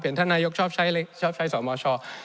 เห็นท่านนายกชอบใช้สมช